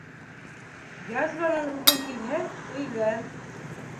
Язванан үлгең килһә, өйлән!